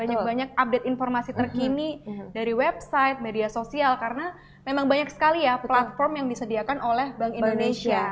banyak banyak update informasi terkini dari website media sosial karena memang banyak sekali ya platform yang disediakan oleh bank indonesia